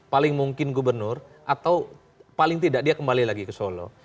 paling mungkin gubernur atau paling tidak dia kembali lagi ke solo